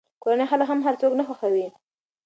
کورني خلک هم هر څوک نه خوښوي.